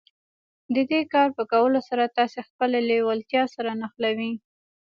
د دې کار په کولو سره تاسې خپله لېوالتیا سره نښلوئ.